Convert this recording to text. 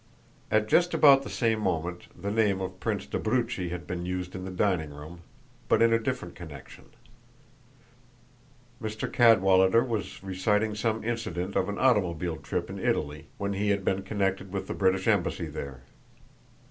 At just about the same moment the name of Prince d'Abruzzi had been used in the dining room, but in a different connection. Mr. Cadwallader was reciting some incident of an automobile trip in Italy when he had been connected with the British embassy there.